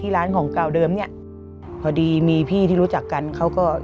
แรก